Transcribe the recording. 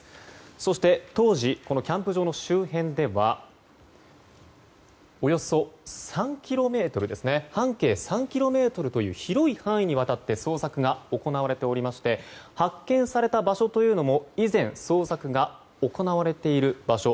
そして、当時キャンプ場の周辺ではおよそ半径３ｋｍという広い範囲にわたって捜索が行われていまして発見された場所というのも以前、捜索が行われている場所。